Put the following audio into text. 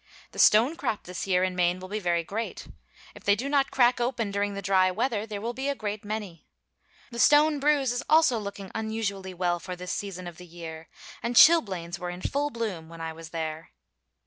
The stone crop this year in Maine will be very great. If they do not crack open during the dry weather, there will be a great many. The stone bruise is also looking unusually well for this season of the year, and chilblains were in full bloom when I was there.